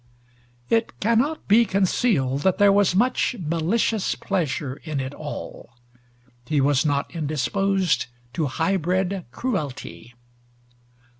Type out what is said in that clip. It cannot be concealed that there was much malicious pleasure in it all. He was not indisposed to high bred cruelty.